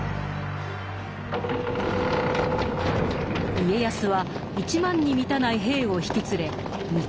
家康は１万に満たない兵を引き連れ三方ヶ原に向かう。